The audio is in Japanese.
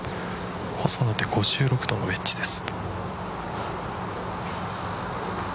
細野は５６度のウエッジです。